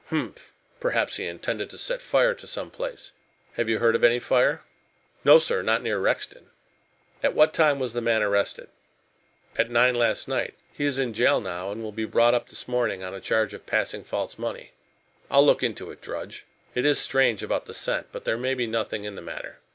"Humph! Perhaps he intended to set fire to some place. Have you heard of any fire?" "No, sir, not near Rexton." "At what time was the man arrested?" "At nine last night. He is in jail now, and will be brought up this morning on a charge of passing false money." "I'll look into it, Drudge. It is strange about the scent: but there may be nothing in the matter.